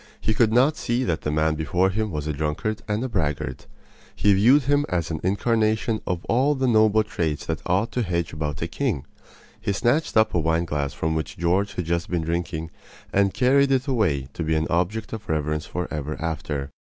He could not see that the man before him was a drunkard and braggart. He viewed him as an incarnation of all the noble traits that ought to hedge about a king. He snatched up a wine glass from which George had just been drinking and carried it away to be an object of reverence for ever after.